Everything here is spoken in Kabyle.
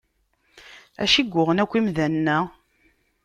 Acu yuɣen akk imdanen-a?